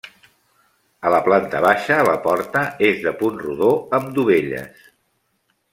A la planta baixa la porta és de punt rodó amb dovelles.